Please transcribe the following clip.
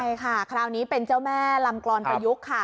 ใช่ค่ะคราวนี้เป็นเจ้าแม่ลำกรอนประยุกต์ค่ะ